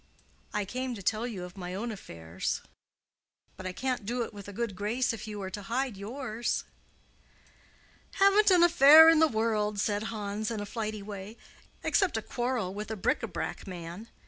"I came to tell you of my own affairs, but I can't do it with a good grace if you are to hide yours." "Haven't an affair in the world," said Hans, in a flighty way, "except a quarrel with a bric à brac man.